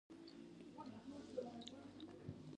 ما دویم او درېیم او ان بې شمېره عسکر ووژل